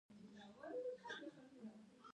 د لښکرګاه د ارک د غوري سلطانانو لوی ماڼۍ وه